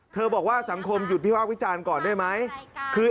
เธอบอกว่าสังคมหยุดพิวากวิจารณ์ก่อนด้วยไหมคือ